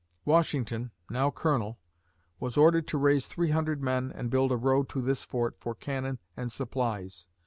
Washington, now Colonel, was ordered to raise three hundred men and build a road to this fort for cannon and supplies.